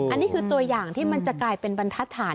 อันนี้คือตัวอย่างที่มันจะกลายเป็นบรรทัศน